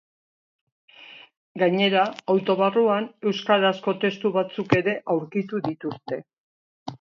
Gainera, auto barruan euskarazko testu batzuk ere aurkitu dituzte.